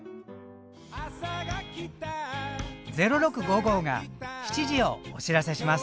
「０６」が７時をお知らせします。